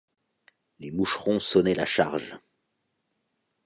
Les moucherons sonnaient la charge